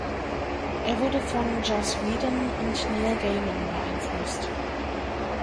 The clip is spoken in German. Er wurde von Joss Whedon und Neil Gaiman beeinflusst.